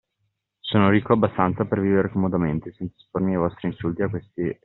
Sono ricco abbastanza per vivere comodamente, senza espormi ai vostri insulti e a questi rischi.